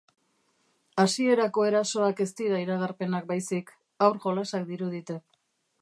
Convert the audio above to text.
Hasierako erasoak ez dira iragarpenak baizik, haur jolasak dirudite.